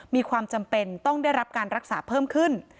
มีความจำเป็นต้องได้รับการรักษาเพิ่มขึ้น